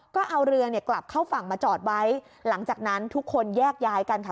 ก็เอาเรือเนี่ยกลับเข้าฝั่งมาจอดไว้หลังจากนั้นทุกคนแยกย้ายกันค่ะ